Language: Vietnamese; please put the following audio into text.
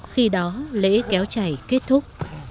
khi đó lễ kéo chày kết thúc